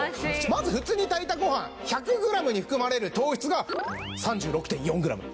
まず普通に炊いたごはん１００グラムに含まれる糖質が３６．４グラム。